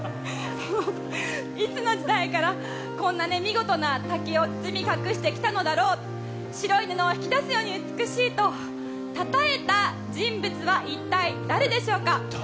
いつの時代からこんな見事な滝を包み隠してきたのだろう白い布を引き出すように美しいとたたえた人物は一体、誰でしょうか。